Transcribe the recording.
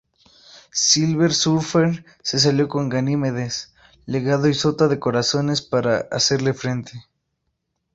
Silver Surfer se alió con Ganímedes, Legado y Sota de Corazones para hacerle frente.